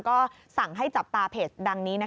ก็สั่งให้จับตาเพจดังนี้